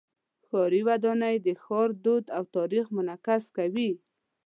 ښاري ودانۍ د ښار دود او تاریخ منعکس کوي.